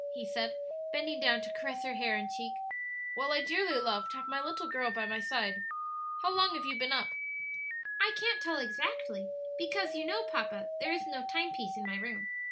he said, bending down to caress her hair and cheek. "Well, I dearly love to have my little girl by my side. How long have you been up?" "I can't tell exactly; because, you know, papa, there is no time piece in my room.